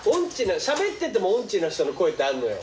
しゃべってても音痴な人の声ってあんのよ。